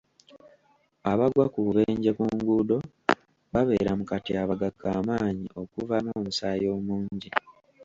Abagwa ku bubenje ku nguudo babeera mu katyabaga ka maanyi okuvaamu omusaayi omungi.